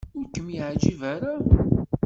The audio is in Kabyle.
Ur kem-iɛejjeb ara.